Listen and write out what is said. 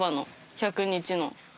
１００日の。